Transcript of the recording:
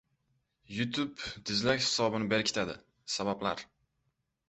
YouTube dizlayk hisobini berkitadi – sabablar